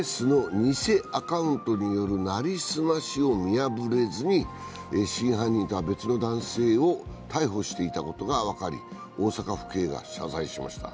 ＳＮＳの偽アカウントによる成り済ましを見破れずに真犯人とは別の男性を逮捕していたことが分かり大阪府警が謝罪しました。